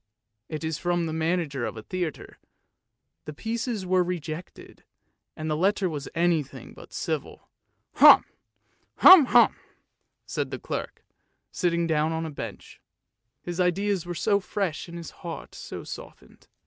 " It was from the manager of a theatre, the pieces were rejected, and the letter was anything but civil. " Hum! hum! " said the clerk, sitting down on a bench; his ideas were so fresh and his heart so softened.